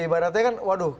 ibaratnya kan waduh